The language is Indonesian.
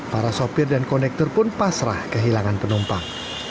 para sopir dan konektor pun pasrah kehilangan penumpang